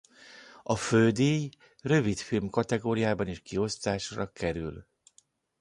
A fődíj rövidfilm kategóriában is kiosztásra kerül.